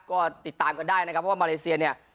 ก็ติดตามกันได้นะว่ามาเลเซียเนี่ย